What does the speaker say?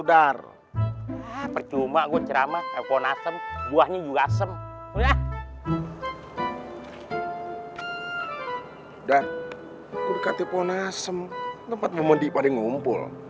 dar gua kata epon asem tempat memundi pada ngumpul